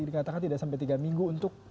dikatakan tidak sampai tiga minggu untuk